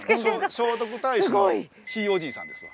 聖徳太子のひいおじいさんですわ。